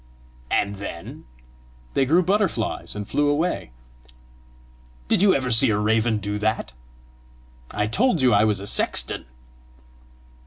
"And then?" "They grew butterflies, and flew away." "Did you ever see a raven do that? I told you I was a sexton!"